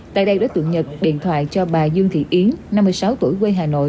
tại đây đối tượng nhật điện thoại cho bà dương thị yến năm mươi sáu tuổi quê hà nội